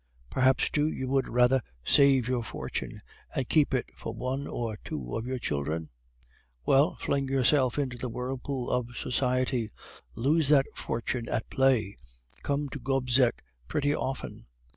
Perhaps, too, you would rather save your fortune, and keep it for one or two of your children? Well, fling yourself into the whirlpool of society, lose that fortune at play, come to Gobseck pretty often.